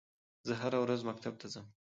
زه هره ورځ مکتب ته ځم